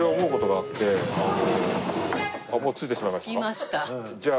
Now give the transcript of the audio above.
着きました。